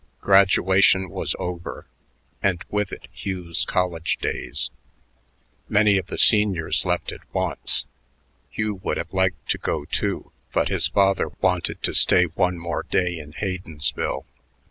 Graduation was over, and, with it Hugh's college days. Many of the seniors left at once. Hugh would have liked to go, too, but his father wanted to stay one more day in Haydensville.